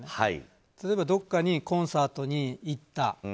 例えばどこかにコンサートに行った。